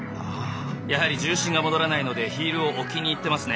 やはり重心が戻らないのでヒールを置きに行ってますね。